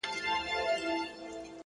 د هغه ورځي څه مي!!